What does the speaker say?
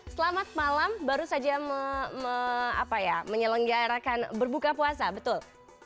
selamat malam baru saja menyelenggarakan berbuka puasa betul